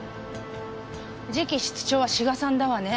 次期室長は志賀さんだわね。